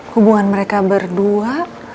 hubungan mereka berdua